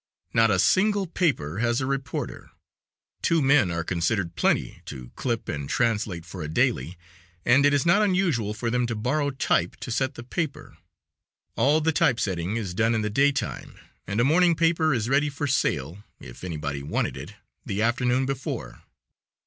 Not a single paper has a reporter. Two men are considered plenty to clip and translate for a daily, and it is not unusual for them to borrow type to set the paper. All the type setting is done in the daytime and a morning paper is ready for sale if anybody wanted it the afternoon before.